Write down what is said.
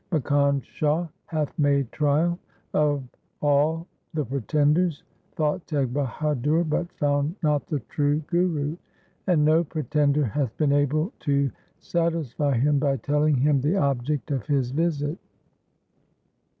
' Makkhan Shah hath made trial of all the pretenders,' thought Teg Bahadur, 'but found not the true Guru, and no pretender hath been able to satisfy him by telling him the object of his visit.